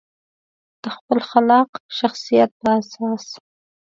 د خپل خلاق شخصیت په اساس.